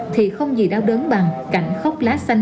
thì không gì đau đớn bằng cảnh khóc lá xanh